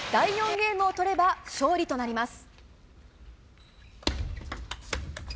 ゲームを取れば勝利となります。